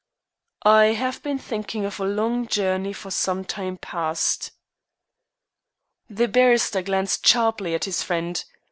"I have been thinking of a long journey for some time past." The barrister glanced sharply at his friend.